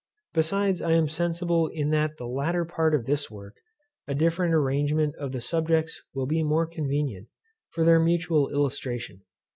Besides I am sensible that in the latter part of this work a different arrangement of the subjects will be more convenient, for their mutual illustration.